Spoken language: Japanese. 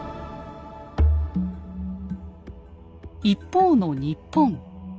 一方の日本。